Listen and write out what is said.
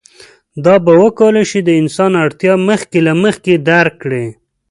دا به وکولی شي د انسان اړتیاوې مخکې له مخکې درک کړي.